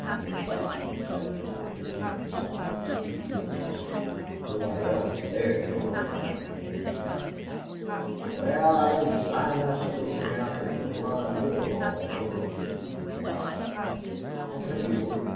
Neale often exaggerated out of a desire to tease his friend. Nobody else dared try and banter King. "Wal, I didn't sign up with this heah outfit to run up hills all day," replied Red. "I'll tell you what.